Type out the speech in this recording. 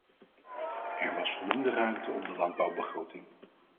Er was voldoende ruimte op de landbouwbegroting.